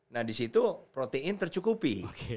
nah disitu protein tercukupi